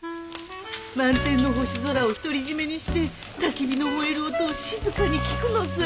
満点の星空を独り占めにしてたき火の燃える音を静かに聞くのさ。